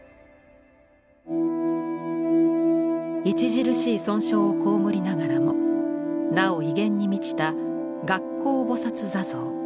著しい損傷を被りながらもなお威厳に満ちた「月光菩坐像」。